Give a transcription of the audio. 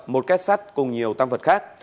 một kết sát cùng nhiều tăng vật khác